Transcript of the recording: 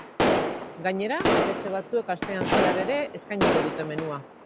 Gainera, jatetxe batzuek astean zehar ere eskainiko dute menua.